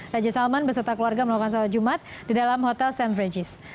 raja salman beserta keluarga melakukan sholat jumat di dalam hotel st regis